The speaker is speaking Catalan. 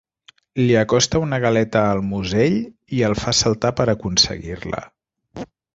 Li acosta una galeta al musell i el fa saltar per aconseguir-la.